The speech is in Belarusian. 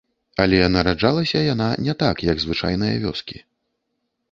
Але нараджалася яна не так, як звычайныя вёскі.